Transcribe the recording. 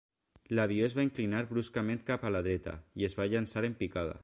L'avió es va inclinar bruscament cap a la dreta i es va llançar en picada.